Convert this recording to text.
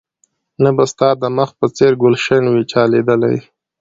نه به ستا د مخ په څېر ګلش وي چا ليدلى